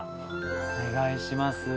お願いします。